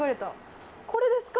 これですか？